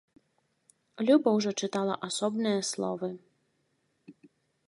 Люба ўжо чытала асобныя словы.